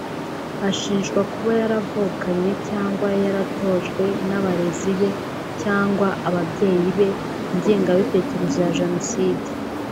ashinjwa kuba yaravukanye cyangwa yaratojwe n’abarezi be cyangwa ababyeyi be « ingengabitekerezo ya jenoside »